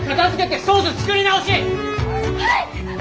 はい！